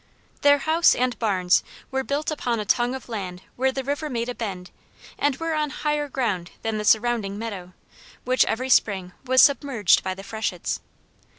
Their house and barns were built upon a tongue of land where the river made a bend, and were on higher ground than the surrounding meadow, which every spring was submerged by the freshets.